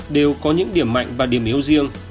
đều có những điểm mạnh và điểm yếu riêng